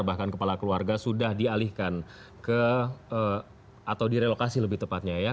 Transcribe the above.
bahkan kepala keluarga sudah dialihkan ke atau direlokasi lebih tepatnya ya